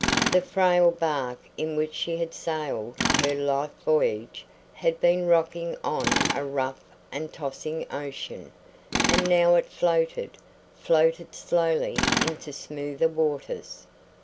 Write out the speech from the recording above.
The frail bark in which she had sailed her life voyage had been rocking on a rough and tossing ocean, and now it floated, floated slowly into smoother waters.